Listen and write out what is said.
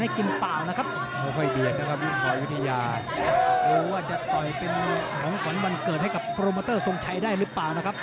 หรือว่าจะต่อยเป็นของขวัญวันเกิดให้กับได้รึเปล่านะครับ